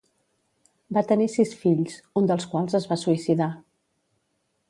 Va tenir sis fills, un dels quals es va suïcidar.